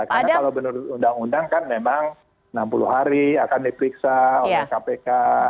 karena kalau benar undang undang kan memang enam puluh hari akan diperiksa oleh kpk